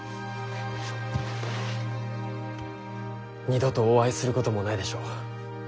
二度とお会いすることもないでしょう。